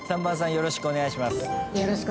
「よろしくお願いします」